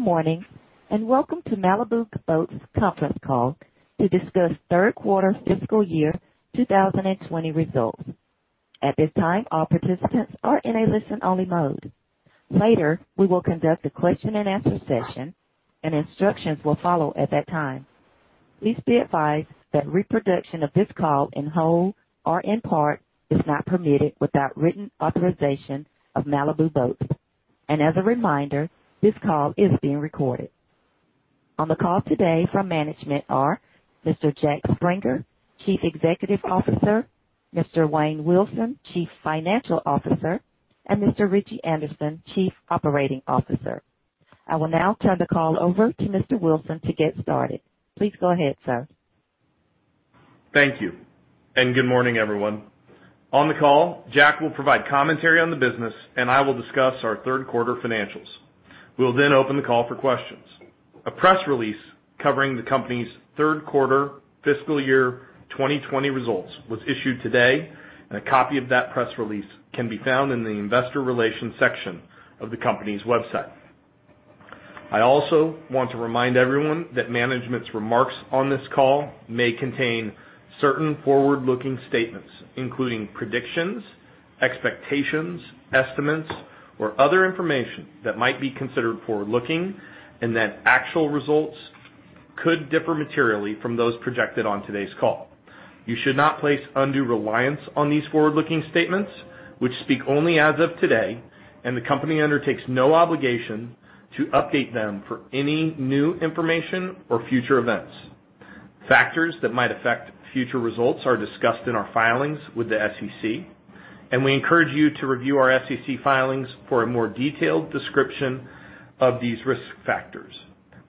Good morning and welcome to Malibu Boats conference call to discuss third quarter fiscal year 2020 results. At this time, all participants are in a listen-only mode. Later, we will conduct a question-and-answer session, and instructions will follow at that time. Please be advised that reproduction of this call in whole or in part is not permitted without written authorization of Malibu Boats. And as a reminder, this call is being recorded. On the call today from management are Mr. Jack Springer, Chief Executive Officer; Mr. Wayne Wilson, Chief Financial Officer; and Mr. Ritchie Anderson, Chief Operating Officer. I will now turn the call over to Mr. Wilson to get started. Please go ahead, sir. Thank you. And good morning, everyone. On the call, Jack will provide commentary on the business, and I will discuss our third quarter financials. We'll then open the call for questions. A press release covering the company's third quarter Fiscal Year 2020 results was issued today, and a copy of that press release can be found in the investor relations section of the company's website. I also want to remind everyone that management's remarks on this call may contain certain forward-looking statements, including predictions, expectations, estimates, or other information that might be considered forward-looking, and that actual results could differ materially from those projected on today's call. You should not place undue reliance on these forward-looking statements, which speak only as of today, and the company undertakes no obligation to update them for any new information or future events. Factors that might affect future results are discussed in our filings with the SEC, and we encourage you to review our SEC filings for a more detailed description of these risk factors.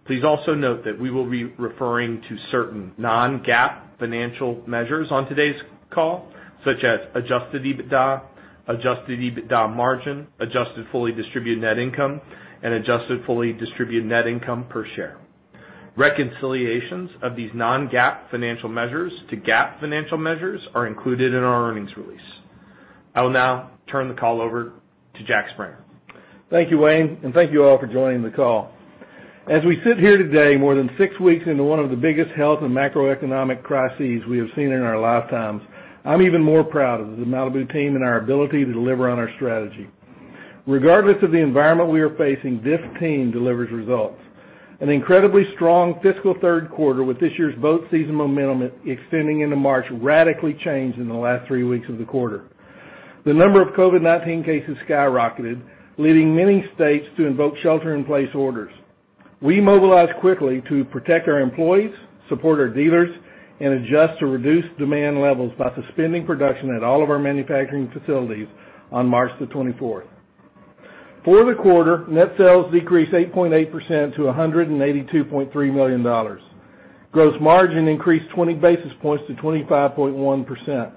Please also note that we will be referring to certain non-GAAP financial measures on today's call, such as Adjusted EBITDA, Adjusted EBITDA Margin, Adjusted Fully Distributed Net Income, and Adjusted Fully Distributed Net Income per share. Reconciliations of these non-GAAP financial measures to GAAP financial measures are included in our earnings release. I will now turn the call over to Jack Springer. Thank you, Wayne, and thank you all for joining the call. As we sit here today, more than six weeks into one of the biggest health and macroeconomic crises we have seen in our lifetimes, I'm even more proud of the Malibu team and our ability to deliver on our strategy. Regardless of the environment we are facing, this team delivers results. An incredibly strong fiscal third quarter, with this year's boat season momentum extending into March, radically changed in the last three weeks of the quarter. The number of COVID-19 cases skyrocketed, leading many states to invoke shelter-in-place orders. We mobilized quickly to protect our employees, support our dealers, and adjust to reduce demand levels by suspending production at all of our manufacturing facilities on March the 24th. For the quarter, net sales decreased 8.8% to $182.3 million. Gross margin increased 20 basis points to 25.1%.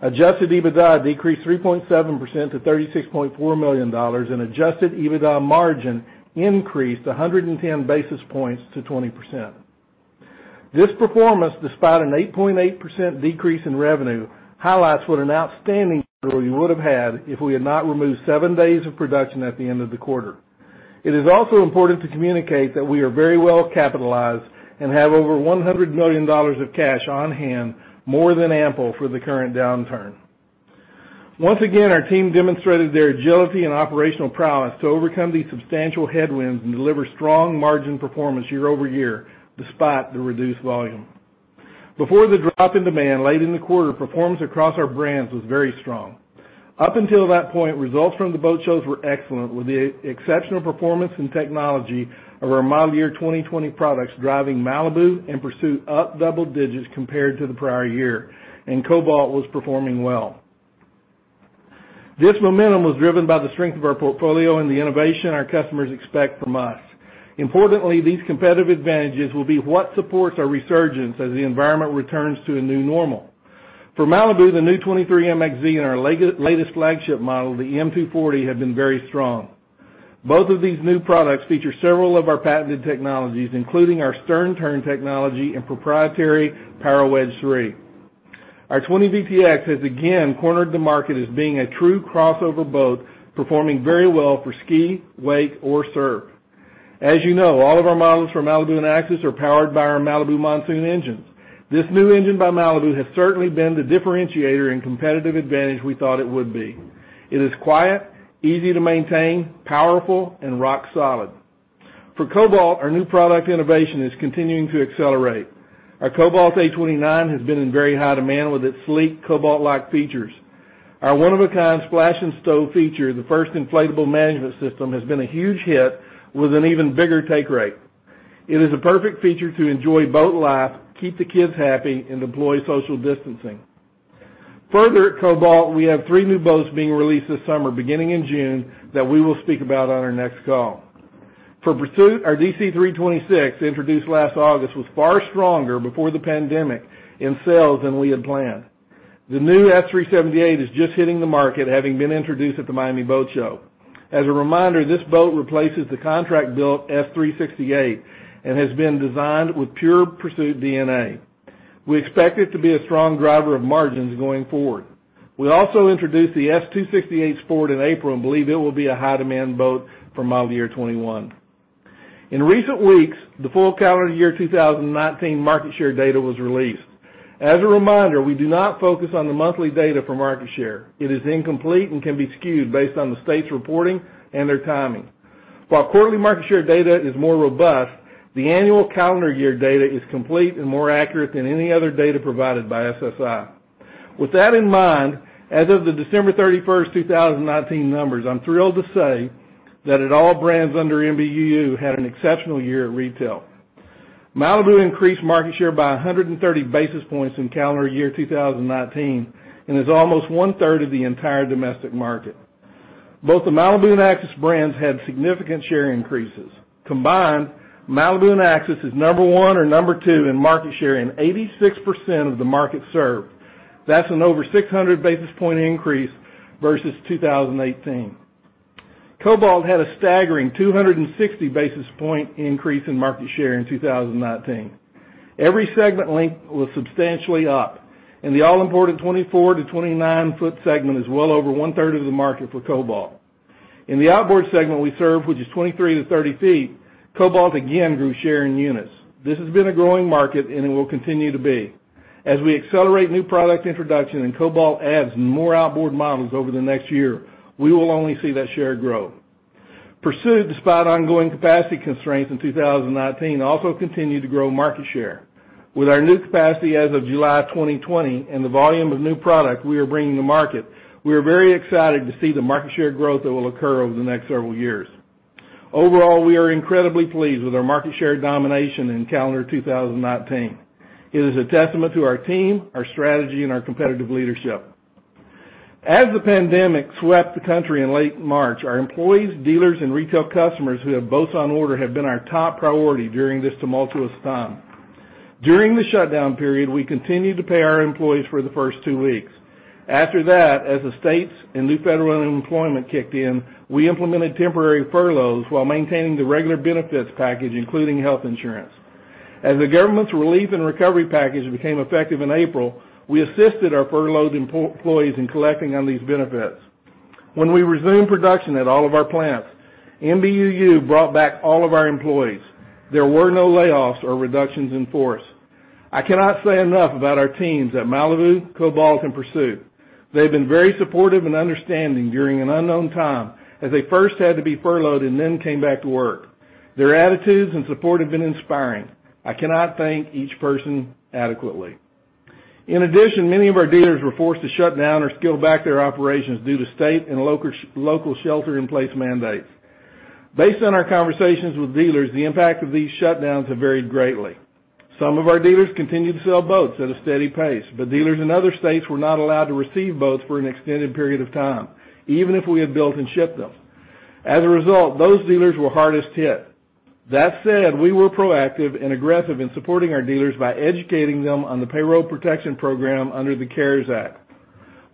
Adjusted EBITDA decreased 3.7% to $36.4 million, and Adjusted EBITDA margin increased 110 basis points to 20%. This performance, despite an 8.8% decrease in revenue, highlights what an outstanding year we would have had if we had not removed seven days of production at the end of the quarter. It is also important to communicate that we are very well capitalized and have over $100 million of cash on hand, more than ample for the current downturn. Once again, our team demonstrated their agility and operational prowess to overcome these substantial headwinds and deliver strong margin performance year over year, despite the reduced volume. Before the drop in demand late in the quarter, performance across our brands was very strong. Up until that point, results from the boat shows were excellent, with the exceptional performance and technology of our model year 2020 products driving Malibu and Pursuit of double digits compared to the prior year, and Cobalt was performing well. This momentum was driven by the strength of our portfolio and the innovation our customers expect from us. Importantly, these competitive advantages will be what supports our resurgence as the environment returns to a new normal. For Malibu, the new 23 MXZ and our latest flagship model, the M240, have been very strong. Both of these new products feature several of our patented technologies, including our Stern Turn technology and proprietary Power Wedge III. Our 20 VTX has again cornered the market as being a true crossover boat, performing very well for ski, wake, or surf. As you know, all of our models from Malibu and Axis are powered by our Malibu Monsoon Engines. This new engine by Malibu has certainly been the differentiator and competitive advantage we thought it would be. It is quiet, easy to maintain, powerful, and rock solid. For Cobalt, our new product innovation is continuing to accelerate. Our Cobalt A29 has been in very high demand with its sleek, Cobalt-like features. Our one-of-a-kind Splash & Stow feature, the first inflatable management system, has been a huge hit with an even bigger take rate. It is a perfect feature to enjoy boat life, keep the kids happy, and deploy social distancing. Further, at Cobalt, we have three new boats being released this summer, beginning in June, that we will speak about on our next call. For Pursuit, our DC 326, introduced last August, was far stronger before the pandemic in sales than we had planned. The new S378 is just hitting the market, having been introduced at the Miami Boat Show. As a reminder, this boat replaces the contract-built S368 and has been designed with pure Pursuit DNA. We expect it to be a strong driver of margins going forward. We also introduced the S268 Sport in April and believe it will be a high-demand boat for model year 2021. In recent weeks, the full calendar year 2019 market share data was released. As a reminder, we do not focus on the monthly data for market share. It is incomplete and can be skewed based on the state's reporting and their timing. While quarterly market share data is more robust, the annual calendar year data is complete and more accurate than any other data provided by SSI. With that in mind, as of the December 31st, 2019 numbers, I'm thrilled to say that all brands under MBUU had an exceptional year at retail. Malibu increased market share by 130 basis points in calendar year 2019 and is almost one-third of the entire domestic market. Both the Malibu and Axis brands had significant share increases. Combined, Malibu and Axis is number one or number two in market share and 86% of the market served. That's an over 600 basis point increase versus 2018. Cobalt had a staggering 260 basis point increase in market share in 2019. Every segment length was substantially up, and the all-important 24 to 29-foot segment is well over one-third of the market for Cobalt. In the outboard segment we serve, which is 23 to 30 feet, Cobalt again grew share in units. This has been a growing market, and it will continue to be. As we accelerate new product introduction and Cobalt adds more outboard models over the next year, we will only see that share grow. Pursuit, despite ongoing capacity constraints in 2019, also continued to grow market share. With our new capacity as of July 2020 and the volume of new product we are bringing to market, we are very excited to see the market share growth that will occur over the next several years. Overall, we are incredibly pleased with our market share domination in calendar 2019. It is a testament to our team, our strategy, and our competitive leadership. As the pandemic swept the country in late March, our employees, dealers, and retail customers who have boats on order have been our top priority during this tumultuous time. During the shutdown period, we continued to pay our employees for the first two weeks. After that, as the states and new federal unemployment kicked in, we implemented temporary furloughs while maintaining the regular benefits package, including health insurance. As the government's relief and recovery package became effective in April, we assisted our furloughed employees in collecting on these benefits. When we resumed production at all of our plants, MBUU brought back all of our employees. There were no layoffs or reductions in force. I cannot say enough about our teams at Malibu, Cobalt, and Pursuit. They have been very supportive and understanding during an unknown time, as they first had to be furloughed and then came back to work. Their attitudes and support have been inspiring. I cannot thank each person adequately. In addition, many of our dealers were forced to shut down or scale back their operations due to state and local shelter-in-place mandates. Based on our conversations with dealers, the impact of these shutdowns has varied greatly. Some of our dealers continued to sell boats at a steady pace, but dealers in other states were not allowed to receive boats for an extended period of time, even if we had built and shipped them. As a result, those dealers were hardest hit. That said, we were proactive and aggressive in supporting our dealers by educating them on the Paycheck Protection Program under the CARES Act.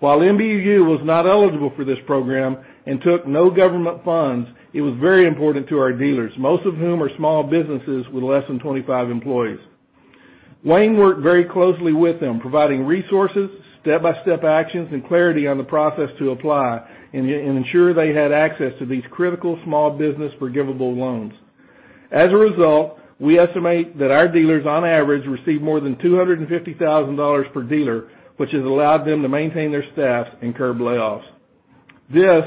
While MBUU was not eligible for this program and took no government funds, it was very important to our dealers, most of whom are small businesses with less than 25 employees. Wayne worked very closely with them, providing resources, step-by-step actions, and clarity on the process to apply and ensure they had access to these critical small business forgivable loans. As a result, we estimate that our dealers, on average, received more than $250,000 per dealer, which has allowed them to maintain their staffs and curb layoffs. This,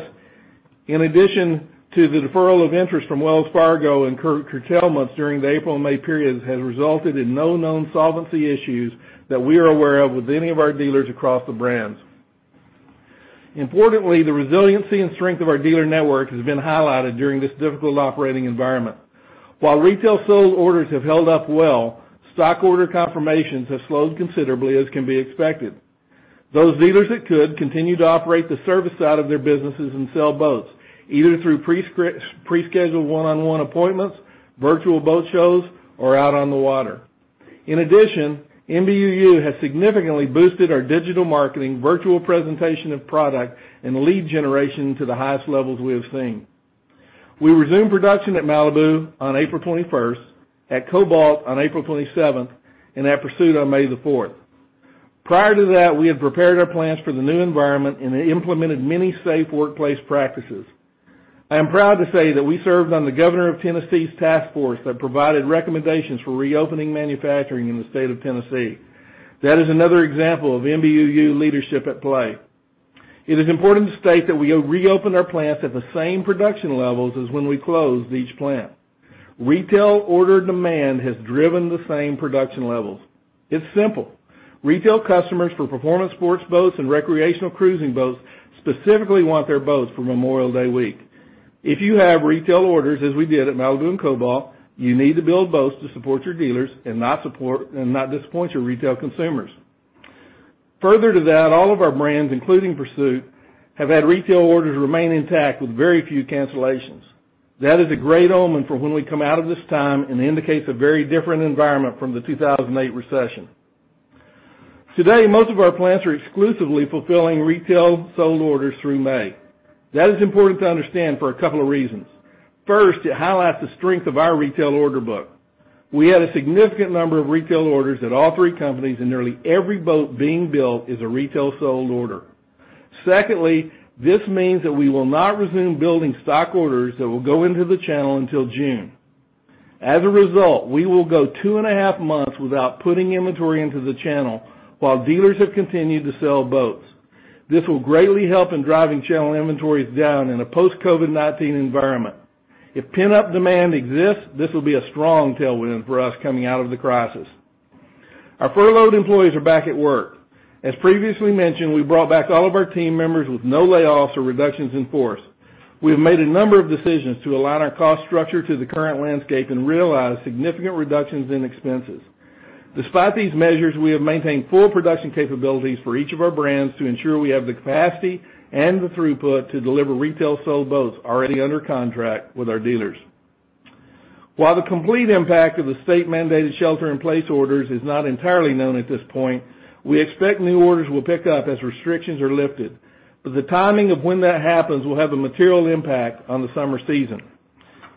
in addition to the deferral of interest from Wells Fargo and curtailments during the April and May periods, has resulted in no known solvency issues that we are aware of with any of our dealers across the brands. Importantly, the resiliency and strength of our dealer network has been highlighted during this difficult operating environment. While retail sales orders have held up well, stock order confirmations have slowed considerably, as can be expected. Those dealers that could continue to operate the service side of their businesses and sell boats, either through pre-scheduled one-on-one appointments, virtual boat shows, or out on the water. In addition, MBUU has significantly boosted our digital marketing, virtual presentation of product, and lead generation to the highest levels we have seen. We resumed production at Malibu on April 21st, at Cobalt on April 27th, and at Pursuit on May the 4th. Prior to that, we had prepared our plans for the new environment and implemented many safe workplace practices. I am proud to say that we served on the Governor of Tennessee's task force that provided recommendations for reopening manufacturing in the state of Tennessee. That is another example of MBUU leadership at play. It is important to state that we reopened our plants at the same production levels as when we closed each plant. Retail order demand has driven the same production levels. It's simple. Retail customers for performance sports boats and recreational cruising boats specifically want their boats for Memorial Day week. If you have retail orders, as we did at Malibu and Cobalt, you need to build boats to support your dealers and not disappoint your retail consumers. Further to that, all of our brands, including Pursuit, have had retail orders remain intact with very few cancellations. That is a great omen for when we come out of this time and indicates a very different environment from the 2008 recession. Today, most of our plants are exclusively fulfilling retail sold orders through May. That is important to understand for a couple of reasons. First, it highlights the strength of our retail order book. We had a significant number of retail orders at all three companies, and nearly every boat being built is a retail sold order. Secondly, this means that we will not resume building stock orders that will go into the channel until June. As a result, we will go two and a half months without putting inventory into the channel while dealers have continued to sell boats. This will greatly help in driving channel inventories down in a post-COVID-19 environment. If pent-up demand exists, this will be a strong tailwind for us coming out of the crisis. Our furloughed employees are back at work. As previously mentioned, we brought back all of our team members with no layoffs or reductions in force. We have made a number of decisions to align our cost structure to the current landscape and realize significant reductions in expenses. Despite these measures, we have maintained full production capabilities for each of our brands to ensure we have the capacity and the throughput to deliver retail sold boats already under contract with our dealers. While the complete impact of the state-mandated shelter-in-place orders is not entirely known at this point, we expect new orders will pick up as restrictions are lifted. But the timing of when that happens will have a material impact on the summer season.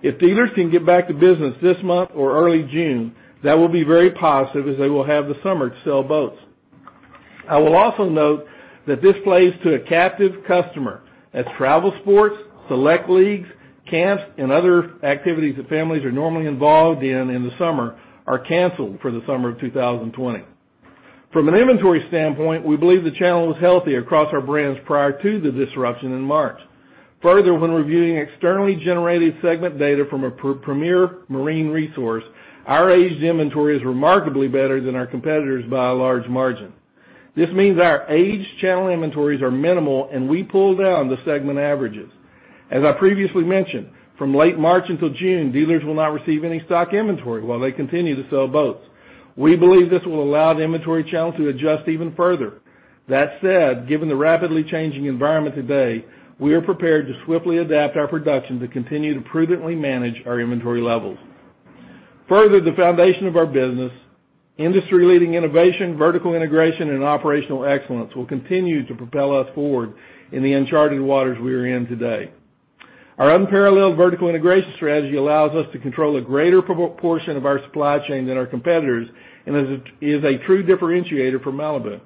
If dealers can get back to business this month or early June, that will be very positive as they will have the summer to sell boats. I will also note that this plays to a captive customer as travel sports, select leagues, camps, and other activities that families are normally involved in in the summer are canceled for the summer of 2020. From an inventory standpoint, we believe the channel was healthy across our brands prior to the disruption in March. Further, when reviewing externally generated segment data from a premier marine resource, our aged inventory is remarkably better than our competitors by a large margin. This means our aged channel inventories are minimal, and we pulled down the segment averages. As I previously mentioned, from late March until June, dealers will not receive any stock inventory while they continue to sell boats. We believe this will allow the inventory channel to adjust even further. That said, given the rapidly changing environment today, we are prepared to swiftly adapt our production to continue to prudently manage our inventory levels. Further, the foundation of our business, industry-leading innovation, vertical integration, and operational excellence will continue to propel us forward in the uncharted waters we are in today. Our unparalleled vertical integration strategy allows us to control a greater portion of our supply chain than our competitors and is a true differentiator for Malibu.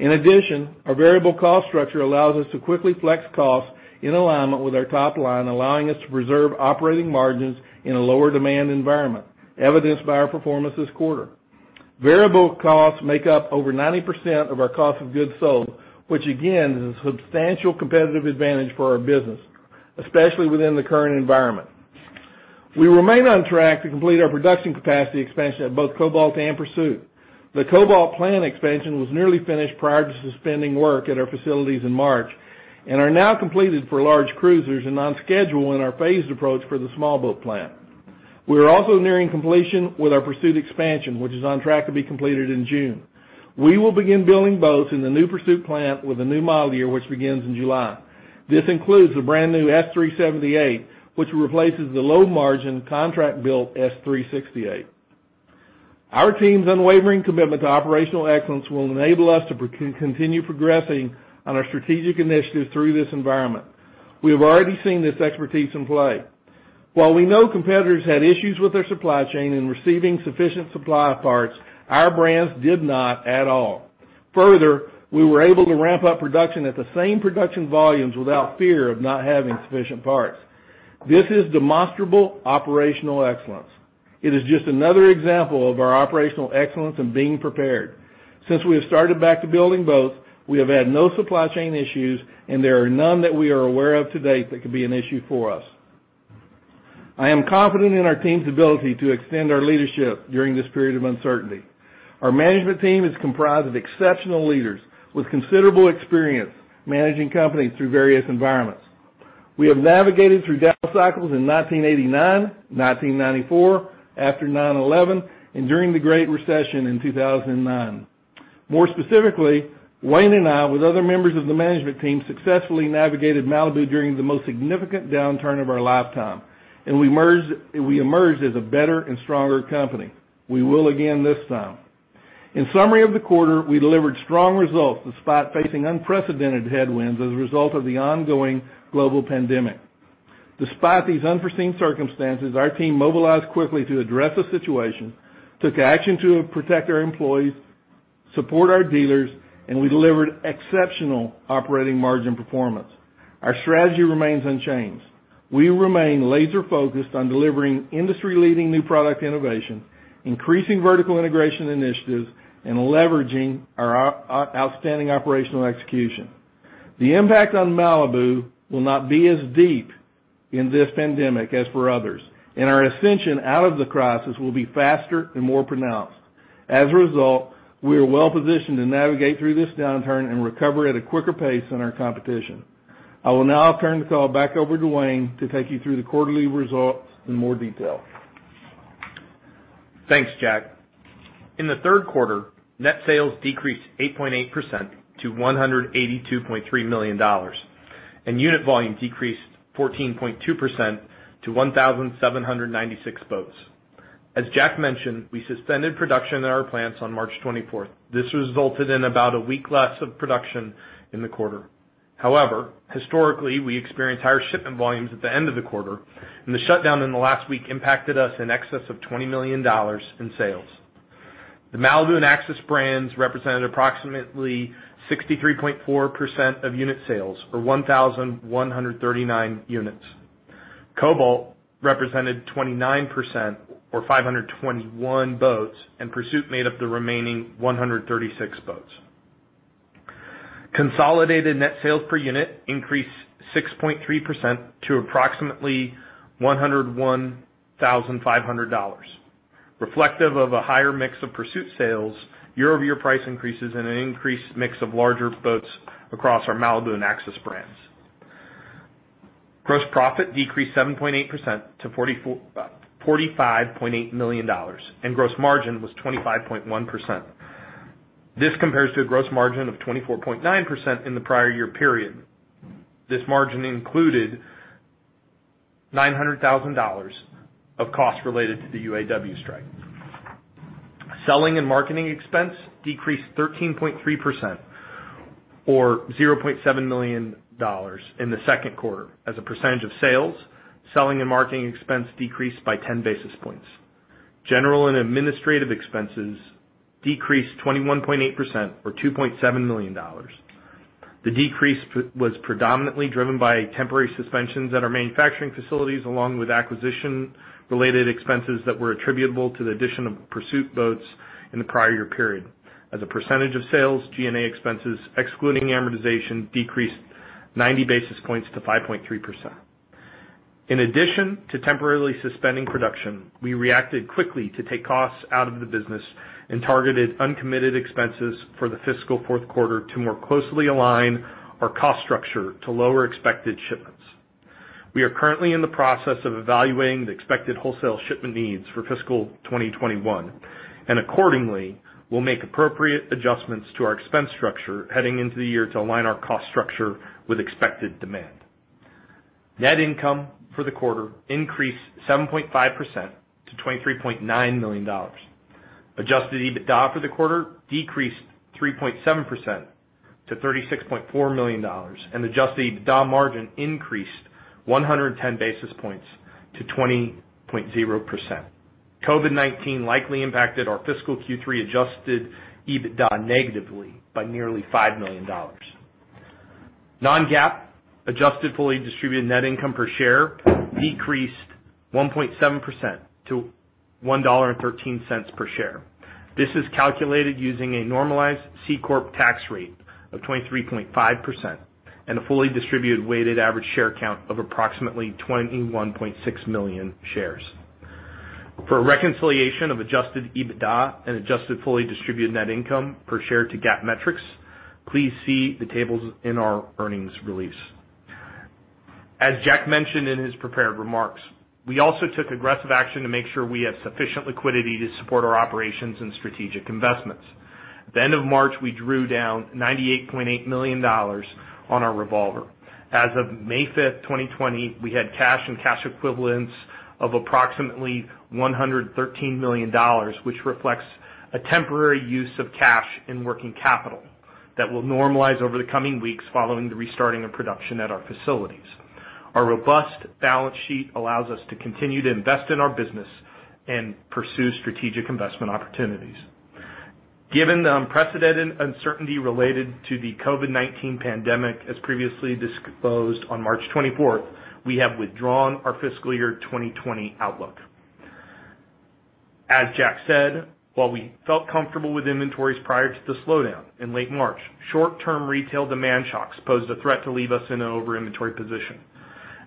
In addition, our variable cost structure allows us to quickly flex costs in alignment with our top line, allowing us to preserve operating margins in a lower-demand environment, evidenced by our performance this quarter. Variable costs make up over 90% of our cost of goods sold, which again is a substantial competitive advantage for our business, especially within the current environment. We remain on track to complete our production capacity expansion at both Cobalt and Pursuit. The Cobalt plant expansion was nearly finished prior to suspending work at our facilities in March and is now completed for large cruisers and on schedule in our phased approach for the small boat plant. We are also nearing completion with our Pursuit expansion, which is on track to be completed in June. We will begin building boats in the new Pursuit plant with a new model year, which begins in July. This includes the brand new S378, which replaces the low-margin contract-built S368. Our team's unwavering commitment to operational excellence will enable us to continue progressing on our strategic initiatives through this environment. We have already seen this expertise in play. While we know competitors had issues with their supply chain in receiving sufficient supply parts, our brands did not at all. Further, we were able to ramp up production at the same production volumes without fear of not having sufficient parts. This is demonstrable operational excellence. It is just another example of our operational excellence and being prepared. Since we have started back to building boats, we have had no supply chain issues, and there are none that we are aware of to date that could be an issue for us. I am confident in our team's ability to extend our leadership during this period of uncertainty. Our management team is comprised of exceptional leaders with considerable experience managing companies through various environments. We have navigated through down cycles in 1989, 1994, after 9/11, and during the Great Recession in 2009. More specifically, Wayne and I, with other members of the management team, successfully navigated Malibu during the most significant downturn of our lifetime, and we emerged as a better and stronger company. We will again this time. In summary of the quarter, we delivered strong results despite facing unprecedented headwinds as a result of the ongoing global pandemic. Despite these unforeseen circumstances, our team mobilized quickly to address the situation, took action to protect our employees, support our dealers, and we delivered exceptional operating margin performance. Our strategy remains unchanged. We remain laser-focused on delivering industry-leading new product innovation, increasing vertical integration initiatives, and leveraging our outstanding operational execution. The impact on Malibu will not be as deep in this pandemic as for others, and our ascension out of the crisis will be faster and more pronounced. As a result, we are well-positioned to navigate through this downturn and recover at a quicker pace than our competition. I will now turn the call back over to Wayne to take you through the quarterly results in more detail. Thanks, Jack. In the third quarter, net sales decreased 8.8% to $182.3 million, and unit volume decreased 14.2% to 1,796 boats. As Jack mentioned, we suspended production at our plants on March 24th. This resulted in about a week less of production in the quarter. However, historically, we experienced higher shipment volumes at the end of the quarter, and the shutdown in the last week impacted us in excess of $20 million in sales. The Malibu and Axis brands represented approximately 63.4% of unit sales, or 1,139 units. Cobalt represented 29%, or 521 boats, and Pursuit made up the remaining 136 boats. Consolidated net sales per unit increased 6.3% to approximately $101,500, reflective of a higher mix of Pursuit sales, year-over-year price increases, and an increased mix of larger boats across our Malibu and Axis brands. Gross profit decreased 7.8% to $45.8 million, and gross margin was 25.1%. This compares to a gross margin of 24.9% in the prior year period. This margin included $900,000 of costs related to the UAW strike. Selling and marketing expense decreased 13.3%, or $0.7 million, in the second quarter. As a percentage of sales, selling and marketing expense decreased by 10 basis points. General and administrative expenses decreased 21.8%, or $2.7 million. The decrease was predominantly driven by temporary suspensions at our manufacturing facilities, along with acquisition-related expenses that were attributable to the addition of Pursuit boats in the prior year period. As a percentage of sales, G&A expenses, excluding amortization, decreased 90 basis points to 5.3%. In addition to temporarily suspending production, we reacted quickly to take costs out of the business and targeted uncommitted expenses for the fiscal fourth quarter to more closely align our cost structure to lower expected shipments. We are currently in the process of evaluating the expected wholesale shipment needs for fiscal 2021, and accordingly, we'll make appropriate adjustments to our expense structure heading into the year to align our cost structure with expected demand. Net income for the quarter increased 7.5% to $23.9 million. Adjusted EBITDA for the quarter decreased 3.7% to $36.4 million, and adjusted EBITDA margin increased 110 basis points to 20.0%. COVID-19 likely impacted our Fiscal Q3 Adjusted EBITDA negatively by nearly $5 million. Non-GAAP Adjusted Fully Distributed Net Income per share decreased 1.7% to $1.13 per share. This is calculated using a normalized C Corp tax rate of 23.5% and a fully distributed weighted average share count of approximately 21.6 million shares. For reconciliation of Adjusted EBITDA and Adjusted Fully Distributed Net Income per share to GAAP metrics, please see the tables in our earnings release. As Jack mentioned in his prepared remarks, we also took aggressive action to make sure we have sufficient liquidity to support our operations and strategic investments. At the end of March, we drew down $98.8 million on our revolver. As of May 5th, 2020, we had cash and cash equivalents of approximately $113 million, which reflects a temporary use of cash and working capital that will normalize over the coming weeks following the restarting of production at our facilities. Our robust balance sheet allows us to continue to invest in our business and pursue strategic investment opportunities. Given the unprecedented uncertainty related to the COVID-19 pandemic, as previously disclosed on March 24th, we have withdrawn our fiscal year 2020 outlook. As Jack said, while we felt comfortable with inventories prior to the slowdown in late March, short-term retail demand shocks posed a threat to leave us in an over-inventory position.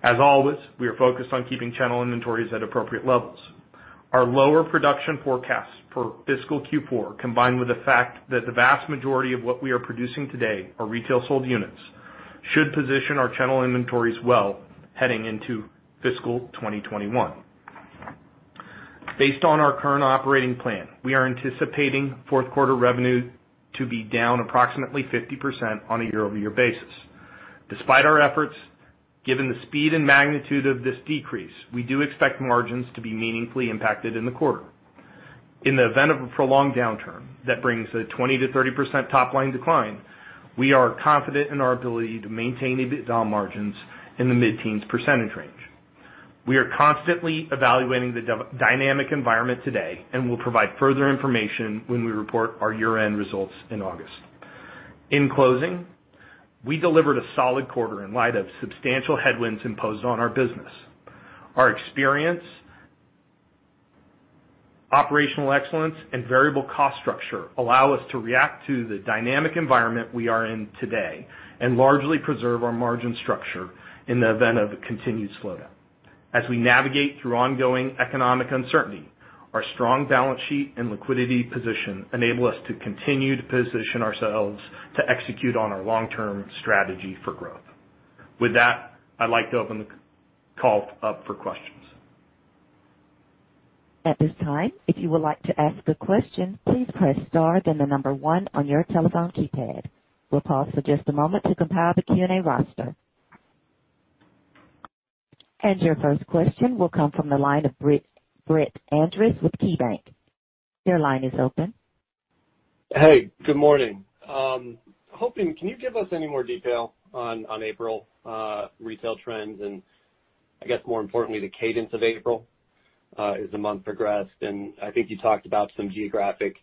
As always, we are focused on keeping channel inventories at appropriate levels. Our lower production forecasts for fiscal Q4, combined with the fact that the vast majority of what we are producing today are retail sold units, should position our channel inventories well heading into fiscal 2021. Based on our current operating plan, we are anticipating fourth quarter revenue to be down approximately 50% on a year-over-year basis. Despite our efforts, given the speed and magnitude of this decrease, we do expect margins to be meaningfully impacted in the quarter. In the event of a prolonged downturn that brings a 20%-30% top line decline, we are confident in our ability to maintain EBITDA margins in the mid-teens % range. We are constantly evaluating the dynamic environment today and will provide further information when we report our year-end results in August. In closing, we delivered a solid quarter in light of substantial headwinds imposed on our business. Our experience, operational excellence, and variable cost structure allow us to react to the dynamic environment we are in today and largely preserve our margin structure in the event of a continued slowdown. As we navigate through ongoing economic uncertainty, our strong balance sheet and liquidity position enable us to continue to position ourselves to execute on our long-term strategy for growth. With that, I'd like to open the call up for questions. At this time, if you would like to ask a question, please press star then the number one on your telephone keypad. We'll pause for just a moment to compile the Q&A roster. And your first question will come from the line of Brett Andress with KeyBanc. Your line is open. Hey, good morning. Hoping, can you give us any more detail on April retail trends and, I guess, more importantly, the cadence of April as the month progressed? And I think you talked about some geographic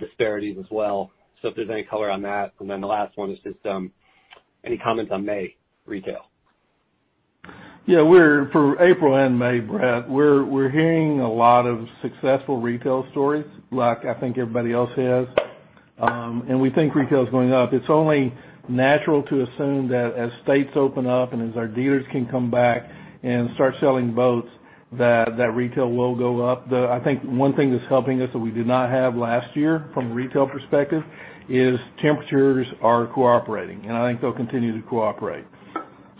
disparities as well. So if there's any color on that. And then the last one is just any comments on May retail. Yeah, for April and May, Brett, we're hearing a lot of successful retail stories, like I think everybody else has. And we think retail is going up. It's only natural to assume that as states open up and as our dealers can come back and start selling boats, that retail will go up. I think one thing that's helping us that we did not have last year from a retail perspective is temperatures are cooperating, and I think they'll continue to cooperate.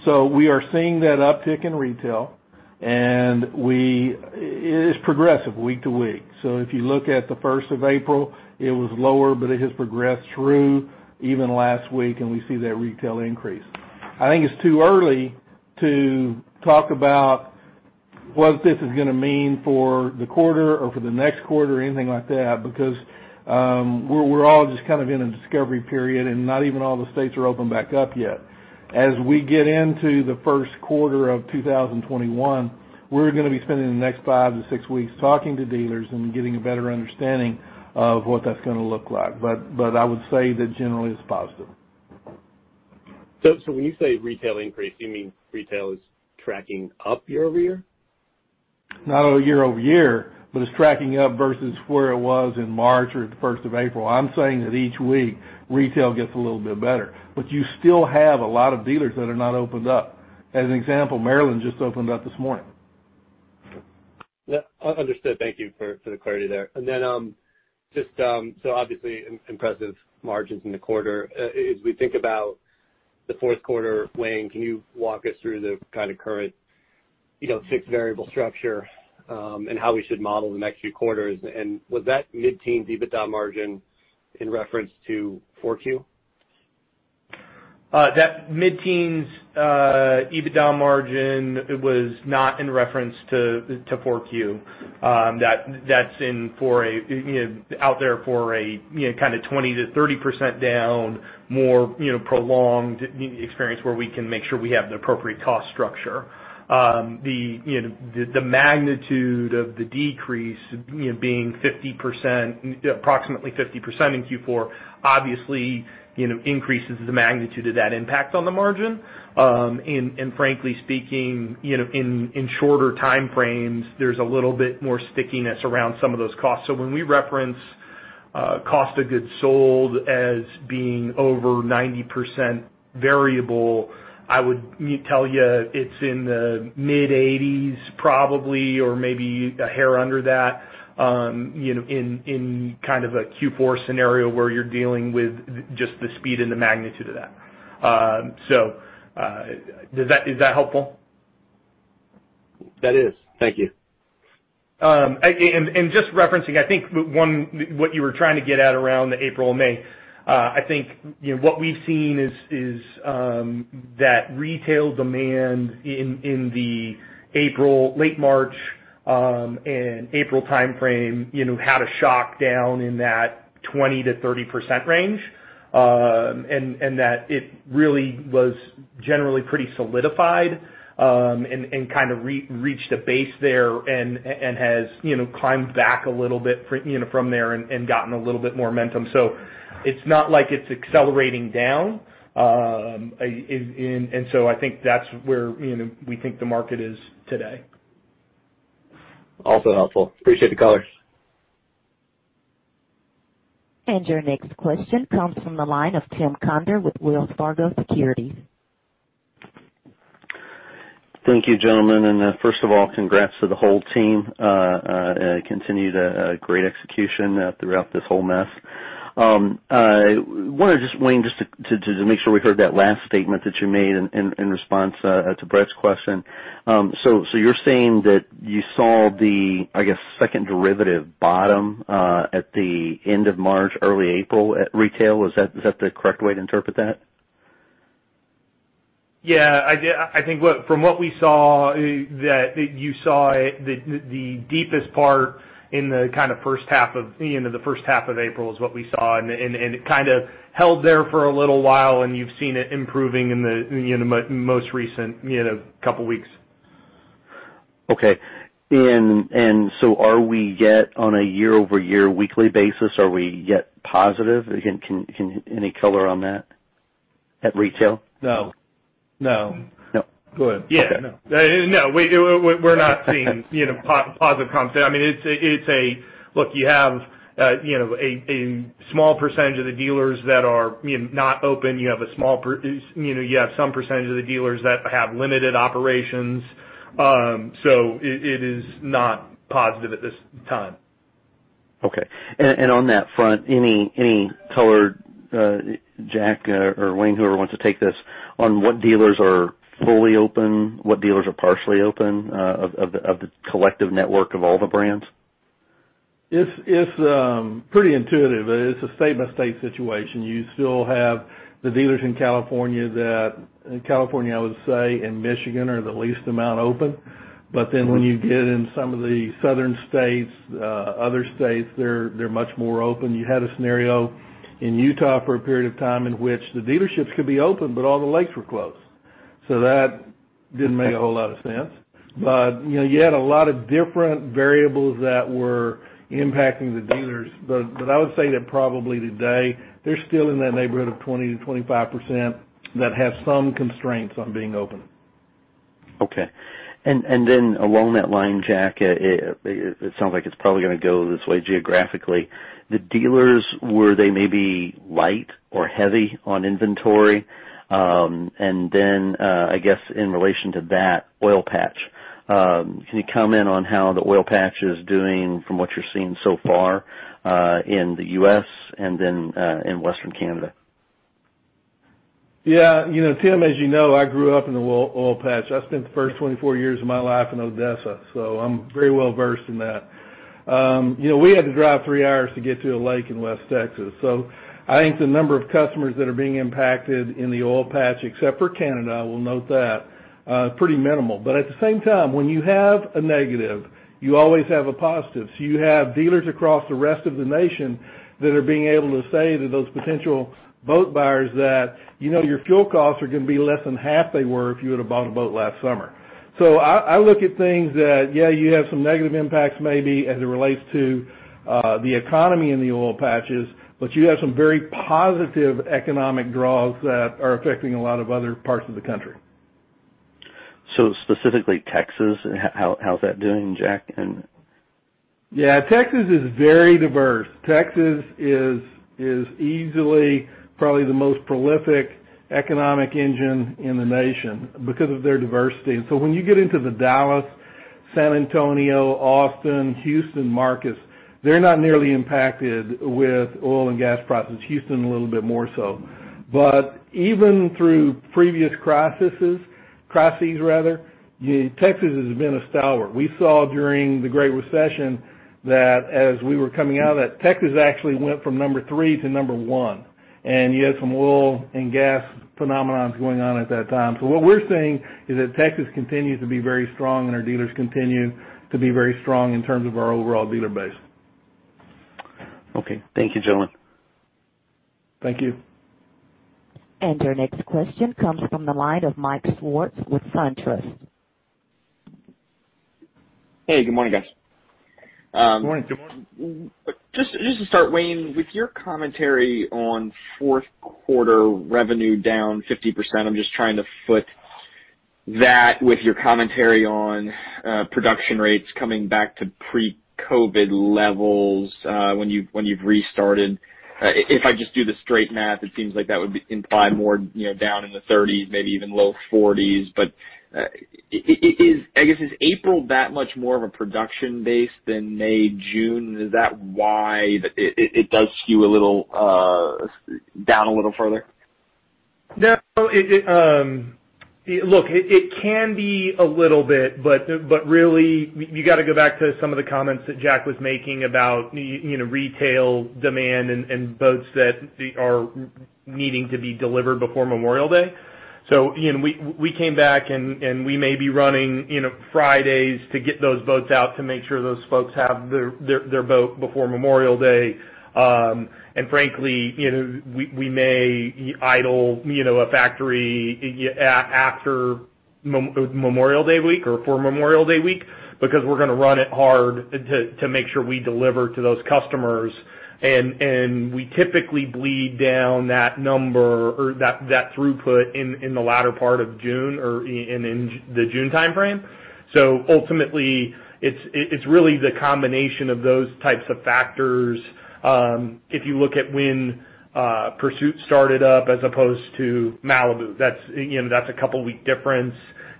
We are seeing that uptick in retail, and it's progressive week to week. If you look at the first of April, it was lower, but it has progressed through even last week, and we see that retail increase. I think it's too early to talk about what this is going to mean for the quarter or for the next quarter or anything like that because we're all just kind of in a discovery period, and not even all the states are open back up yet. As we get into the first quarter of 2021, we're going to be spending the next five to six weeks talking to dealers and getting a better understanding of what that's going to look like. I would say that generally it's positive. When you say retail increase, you mean retail is tracking up year over year? Not year over year, but it's tracking up versus where it was in March or the first of April. I'm saying that each week retail gets a little bit better, but you still have a lot of dealers that are not opened up. As an example, Maryland just opened up this morning. Understood. Thank you for the clarity there. And then just so obviously impressive margins in the quarter. As we think about the fourth quarter, Wayne, can you walk us through the kind of current fixed variable structure and how we should model the next few quarters? And was that mid-teens EBITDA margin in reference to 4Q? That mid-teens EBITDA margin was not in reference to 4Q. That's out there for a kind of 20%-30% down, more prolonged experience where we can make sure we have the appropriate cost structure. The magnitude of the decrease being approximately 50% in Q4 obviously increases the magnitude of that impact on the margin. And frankly speaking, in shorter time frames, there's a little bit more stickiness around some of those costs. So when we reference cost of goods sold as being over 90% variable, I would tell you it's in the mid-80s% probably or maybe a hair under that in kind of a Q4 scenario where you're dealing with just the speed and the magnitude of that. So is that helpful? That is. Thank you. And just referencing, I think what you were trying to get at around the April and May, I think what we've seen is that retail demand in the late March and April time frame had a shock down in that 20%-30% range and that it really was generally pretty solidified and kind of reached a base there and has climbed back a little bit from there and gotten a little bit more momentum. So it's not like it's accelerating down. And so I think that's where we think the market is today. Also helpful. Appreciate the color. And your next question comes from the line of Tim Conder with Wells Fargo Securities. Thank you, gentlemen. And first of all, congrats to the whole team. Continued great execution throughout this whole mess. I wanted to just, Wayne, just to make sure we heard that last statement that you made in response to Brett's question. So you're saying that you saw the, I guess, second derivative bottom at the end of March, early April at retail. Is that the correct way to interpret that? Yeah. I think from what we saw, that you saw the deepest part in the kind of first half of the end of the first half of April is what we saw. And it kind of held there for a little while, and you've seen it improving in the most recent couple of weeks. Okay. And so are we yet on a year-over-year weekly basis? Are we yet positive? Any color on that at retail? No. No. No. Good. Yeah. No. No. We're not seeing positive comps. I mean, it's a look. You have a small percentage of the dealers that are not open. You have some percentage of the dealers that have limited operations. So it is not positive at this time. Okay. And on that front, any color, Jack or Wayne, whoever wants to take this, on what dealers are fully open, what dealers are partially open of the collective network of all the brands? It's pretty intuitive. It's a state-by-state situation. You still have the dealers in California that, in California, I would say, and Michigan are the least amount open. But then when you get in some of the southern states, other states, they're much more open. You had a scenario in Utah for a period of time in which the dealerships could be open, but all the lakes were closed. So that didn't make a whole lot of sense. But you had a lot of different variables that were impacting the dealers. But I would say that probably today, they're still in that neighborhood of 20%-25% that have some constraints on being open. Okay. And then along that line, Jack, it sounds like it's probably going to go this way geographically. The dealers, were they maybe light or heavy on inventory? And then, I guess, in relation to that oil patch, can you comment on how the oil patch is doing from what you're seeing so far in the U.S. and then in Western Canada? Yeah. Tim, as you know, I grew up in the oil patch. I spent the first 24 years of my life in Odessa. So I'm very well versed in that. We had to drive three hours to get to a lake in West Texas. So I think the number of customers that are being impacted in the oil patch, except for Canada, we'll note that, pretty minimal. But at the same time, when you have a negative, you always have a positive. So you have dealers across the rest of the nation that are being able to say to those potential boat buyers that your fuel costs are going to be less than half they were if you would have bought a boat last summer. So I look at things that, yeah, you have some negative impacts maybe as it relates to the economy in the oil patches, but you have some very positive economic draws that are affecting a lot of other parts of the country. So specifically Texas, how's that doing, Jack? Yeah. Texas is very diverse. Texas is easily probably the most prolific economic engine in the nation because of their diversity, and so when you get into the Dallas, San Antonio, Austin, Houston markets, they're not nearly impacted with oil and gas prices. Houston, a little bit more so, but even through previous crises, rather, Texas has been a stalwart. We saw during the Great Recession that as we were coming out of that, Texas actually went from number three to number one, and you had some oil and gas phenomenons going on at that time, so what we're seeing is that Texas continues to be very strong and our dealers continue to be very strong in terms of our overall dealer base. Okay. Thank you, gentlemen. Thank you. And your next question comes from the line of Mike Swartz with SunTrust. Hey, good morning, guys. Good morning. Just to start, Wayne, with your commentary on fourth quarter revenue down 50%, I'm just trying to foot that with your commentary on production rates coming back to pre-COVID levels when you've restarted. If I just do the straight math, it seems like that would imply more down in the 30s, maybe even low 40s. But I guess, is April that much more of a production base than May, June? Is that why it does skew down a little further? No. Look, it can be a little bit, but really, you got to go back to some of the comments that Jack was making about retail demand and boats that are needing to be delivered before Memorial Day. So we came back and we may be running Fridays to get those boats out to make sure those folks have their boat before Memorial Day. And frankly, we may idle a factory after Memorial Day week or for Memorial Day week because we're going to run it hard to make sure we deliver to those customers. And we typically bleed down that number or that throughput in the latter part of June or in the June time frame. So ultimately, it's really the combination of those types of factors. If you look at when Pursuit started up as opposed to Malibu, that's a couple-week difference.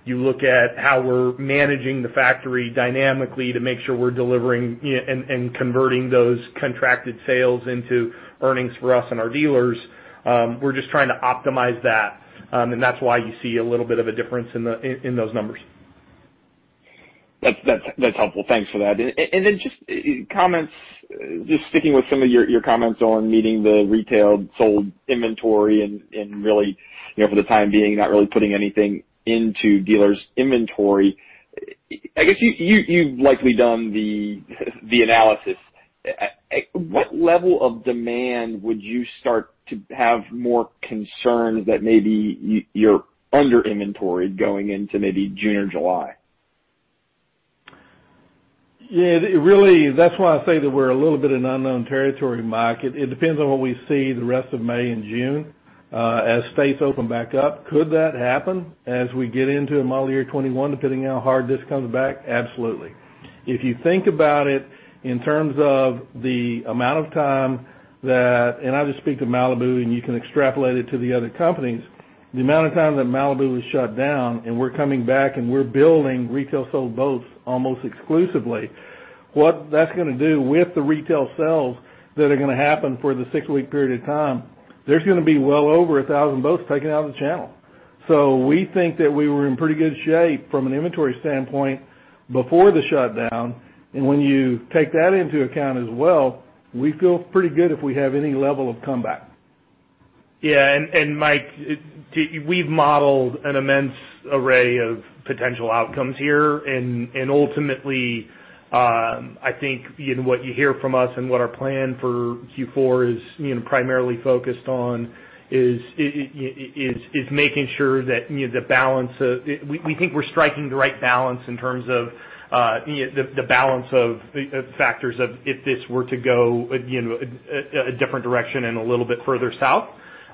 You look at how we're managing the factory dynamically to make sure we're delivering and converting those contracted sales into earnings for us and our dealers. We're just trying to optimize that. And that's why you see a little bit of a difference in those numbers. That's helpful. Thanks for that. And then just comments, just sticking with some of your comments on meeting the retail sold inventory and really, for the time being, not really putting anything into dealers' inventory. I guess you've likely done the analysis. What level of demand would you start to have more concerns that maybe you're under inventory going into maybe June or July? Yeah. Really, that's why I say that we're a little bit in unknown territory market. It depends on what we see the rest of May and June. As states open back up, could that happen as we get into a model year 2021, depending on how hard this comes back? Absolutely. If you think about it in terms of the amount of time that, and I just speak to Malibu and you can extrapolate it to the other companies, the amount of time that Malibu was shut down and we're coming back and we're building retail sold boats almost exclusively, what that's going to do with the retail sales that are going to happen for the six-week period of time, there's going to be well over 1,000 boats taken out of the channel. So we think that we were in pretty good shape from an inventory standpoint before the shutdown. And when you take that into account as well, we feel pretty good if we have any level of comeback. Yeah. And Mike, we've modeled an immense array of potential outcomes here. Ultimately, I think what you hear from us and what our plan for Q4 is primarily focused on is making sure that the balance, we think we're striking the right balance in terms of the balance of factors of if this were to go a different direction and a little bit further south.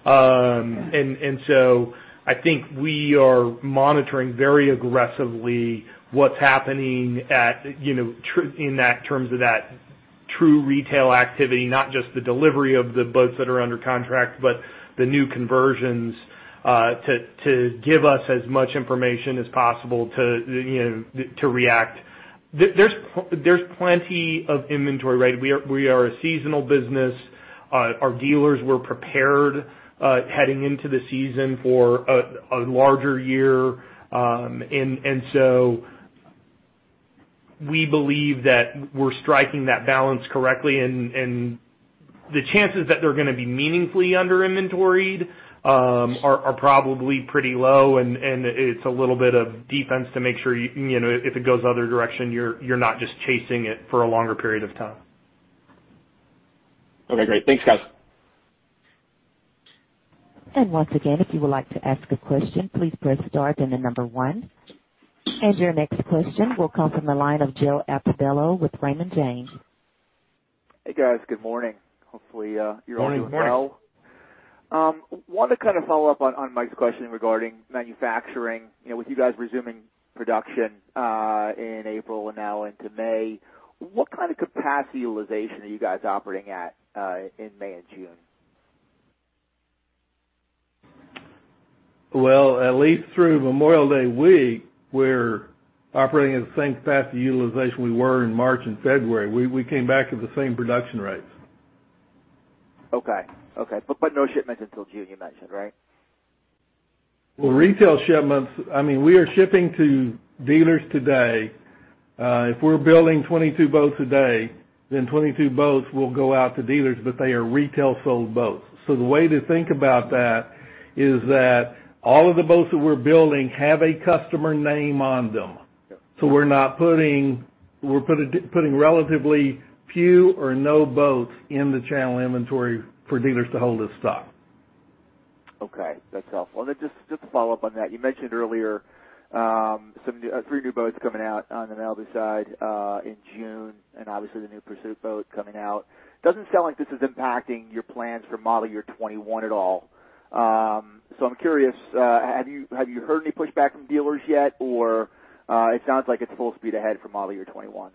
So I think we are monitoring very aggressively what's happening in terms of that true retail activity, not just the delivery of the boats that are under contract, but the new conversions to give us as much information as possible to react. There's plenty of inventory, right? We are a seasonal business. Our dealers were prepared heading into the season for a larger year. So we believe that we're striking that balance correctly. The chances that they're going to be meaningfully under inventoried are probably pretty low. It's a little bit of defense to make sure if it goes other direction, you're not just chasing it for a longer period of time. Okay. Great. Thanks, guys. And once again, if you would like to ask a question, please press star and the number one. And your next question will come from the line of Joe Altobello with Raymond James. Hey, guys. Good morning. Hopefully, you're all doing well. Good morning. Wanted to kind of follow up on Mike's question regarding manufacturing. With you guys resuming production in April and now into May, what kind of capacity utilization are you guys operating at in May and June? Well, at least through Memorial Day week, we're operating at the same capacity utilization we were in March and February. We came back to the same production rates. Okay. Okay. But no shipments until June, you mentioned, right? Retail shipments, I mean, we are shipping to dealers today. If we're building 22 boats a day, then 22 boats will go out to dealers, but they are retail sold boats. So the way to think about that is that all of the boats that we're building have a customer name on them. So we're not putting relatively few or no boats in the channel inventory for dealers to hold this stock. Okay. That's helpful. Then just to follow up on that, you mentioned earlier three new boats coming out on the Malibu side in June and obviously the new Pursuit boat coming out. Doesn't sound like this is impacting your plans for model year 2021 at all. I'm curious, have you heard any pushback from dealers yet? Or it sounds like it's full speed ahead for model year 2021.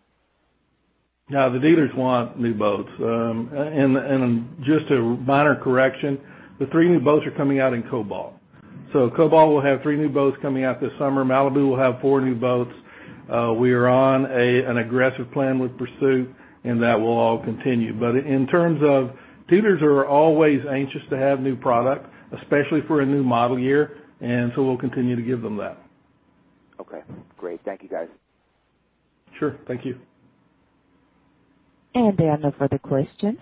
No, the dealers want new boats. And just a minor correction, the three new boats are coming out in Cobalt. So Cobalt will have three new boats coming out this summer. Malibu will have four new boats. We are on an aggressive plan with Pursuit, and that will all continue. But in terms of dealers, they are always anxious to have new product, especially for a new model year. And so we'll continue to give them that. Okay. Great. Thank you, guys. Sure. Thank you. And there are no further questions.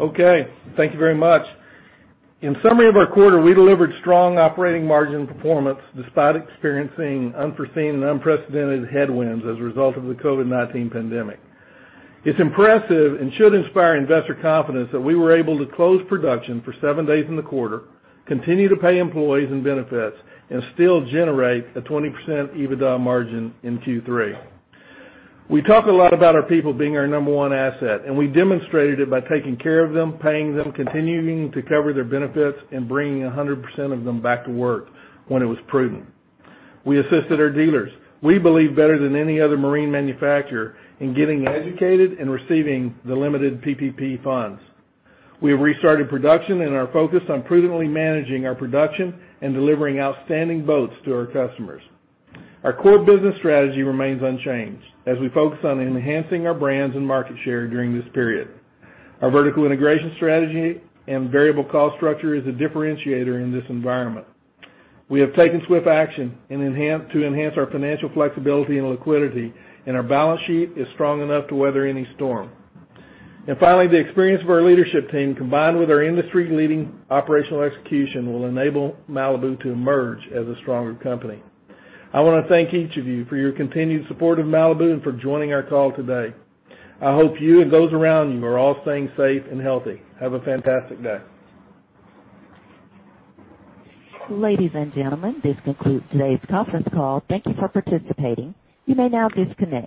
Okay. Thank you very much. In summary of our quarter, we delivered strong operating margin performance despite experiencing unforeseen and unprecedented headwinds as a result of the COVID-19 pandemic. It's impressive and should inspire investor confidence that we were able to close production for seven days in the quarter, continue to pay employees and benefits, and still generate a 20% EBITDA margin in Q3. We talk a lot about our people being our number one asset, and we demonstrated it by taking care of them, paying them, continuing to cover their benefits, and bringing 100% of them back to work when it was prudent. We assisted our dealers. We believe better than any other marine manufacturer in getting educated and receiving the limited PPP funds. We have restarted production and are focused on prudently managing our production and delivering outstanding boats to our customers. Our core business strategy remains unchanged as we focus on enhancing our brands and market share during this period. Our vertical integration strategy and variable cost structure is a differentiator in this environment. We have taken swift action to enhance our financial flexibility and liquidity, and our balance sheet is strong enough to weather any storm. Finally, the experience of our leadership team, combined with our industry-leading operational execution, will enable Malibu to emerge as a stronger company. I want to thank each of you for your continued support of Malibu and for joining our call today. I hope you and those around you are all staying safe and healthy. Have a fantastic day. Ladies and gentlemen, this concludes today's conference call. Thank you for participating. You may now disconnect.